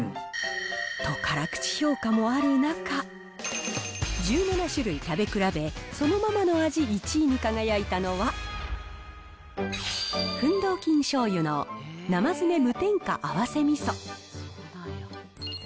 と、辛口評価もある中、１７種類食べ比べ、そのままの味１位に輝いたのは、フンドーキン醤油の生詰無添加あわせみそ。